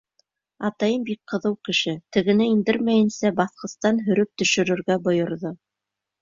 Атайым бик ҡыҙыу кеше, тегене индермәйенсә, баҫҡыстан һөрөп төшөрөргә бойорҙо.